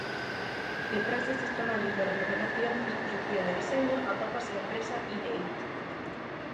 Detrás destes traballos de remodelación, disposición e deseño atópase a empresa Ideit.